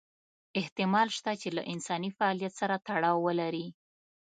احتمال شته چې له انساني فعالیت سره تړاو ولري.